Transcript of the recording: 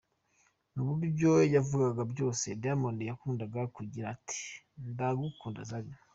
Mu byo yavugaga byose, Diamond yakundaga kugira ati ‘Ndagukunda Zari’.